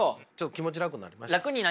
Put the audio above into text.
気持ち楽になりました？